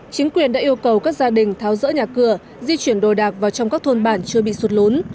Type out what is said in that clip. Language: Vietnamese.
chính quyền đã yêu cầu các gia đình tháo rỡ nhà cửa di chuyển đồ đạc vào trong các thôn bản chưa bị sụt lún